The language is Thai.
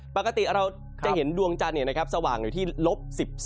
ปกติเราจะเห็นดวงจันทร์สว่างอยู่ที่ลบ๑๒